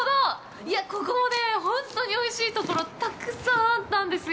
いや、ここもね、本当においしいところたくさんあったんですよ。